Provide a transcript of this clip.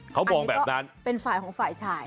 เขามองแบบนั้นเป็นฝ่ายของฝ่ายชาย